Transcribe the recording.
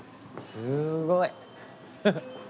すごい。